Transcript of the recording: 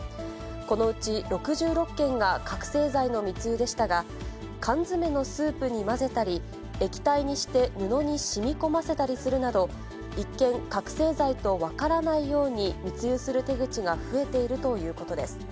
このうち６６件が覚醒剤の密輸でしたが、缶詰のスープに混ぜたり、液体にして布にしみこませたりするなど、一見、覚醒剤と分からないように密輸する手口が増えているということです。